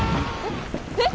えっ？